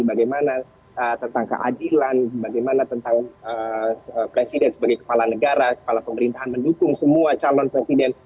bagaimana tentang keadilan bagaimana tentang presiden sebagai kepala negara kepala pemerintahan mendukung semua calon presiden